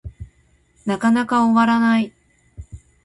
なかなか終わらない